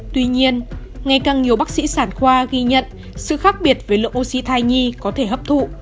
tuy nhiên ngày càng nhiều bác sĩ sản khoa ghi nhận sự khác biệt về lượng oxy thai nhi có thể hấp thụ